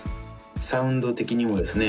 サウンド的にもですね